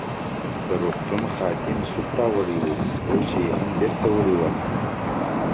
د روغتون خادم سوپ راوړی وو، لوښي يې هم بیرته وړي ول.